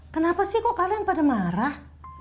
kenapa sih kok kalian pada marah